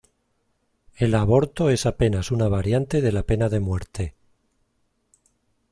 El aborto es apenas una variante de la pena de muerte".